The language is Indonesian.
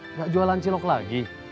enggak jualan cilok lagi